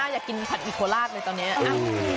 อยากกินผัดอีกโคราชเลยตอนนี้